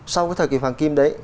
sau cái thời kỳ hoàng kim đấy